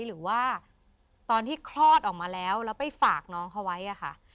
หรือว่าตอนที่คลอดออกมาแล้วแล้วไปฝากน้องเขาไว้อะค่ะ